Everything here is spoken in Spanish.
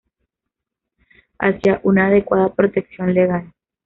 Hacia una adecuada protección legal.